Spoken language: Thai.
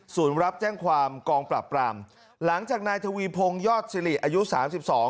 รับแจ้งความกองปราบปรามหลังจากนายทวีพงศ์ยอดสิริอายุสามสิบสอง